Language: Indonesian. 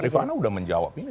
rifana sudah menjawab ini